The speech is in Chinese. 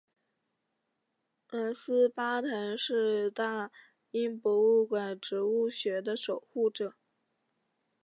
兰斯巴腾是大英博物馆植物学的守护者。